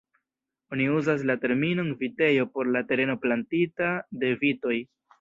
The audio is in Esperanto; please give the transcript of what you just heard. Oni uzas la terminon vitejo por la tereno plantita de vitoj.